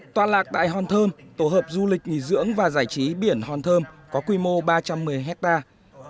toàn lạc tại hòn thơm tổ hợp du lịch nghỉ dưỡng và giải trí biển hòn thơm có quy mô ba trăm một mươi hectare